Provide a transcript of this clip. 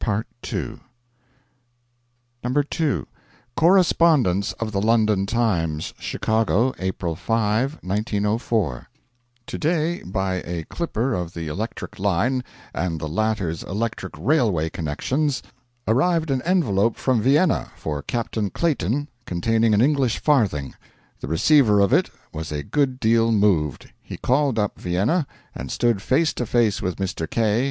Mark Twain II Correspondence of the 'London Times' Chicago, April 5, 1904 To day, by a clipper of the Electric Line, and the latter's Electric Railway connections, arrived an envelope from Vienna, for Captain Clayton, containing an English farthing. The receiver of it was a good deal moved. He called up Vienna, and stood face to face with Mr. K.